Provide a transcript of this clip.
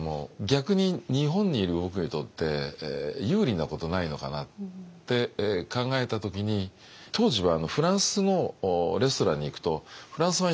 逆に日本にいる僕にとって有利なことないのかなって考えた時に当時はフランスのレストランに行くとフランスワインしか置いてない。